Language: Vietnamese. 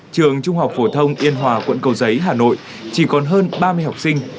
trường trung học phổ thông yên hòa quận cầu giấy hà nội chỉ còn hơn ba mươi học sinh